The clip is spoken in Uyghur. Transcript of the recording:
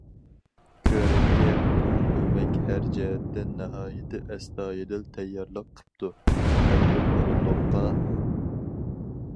كۆرەككە بۇ ئۆمەك ھەر جەھەتتىن ناھايىتى ئەستايىدىل تەييارلىق قىپتۇ، ھەر بىر ئورۇندۇققا?